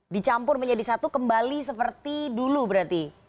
dicampur menjadi satu kembali seperti dulu berarti